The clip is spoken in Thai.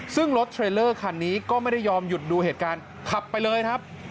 ซึ่งรถเทรลเลอร์คันนี้ก็ไม่ได้ยอมหยุดดูเหตุการณ์ขับไปเลยครับ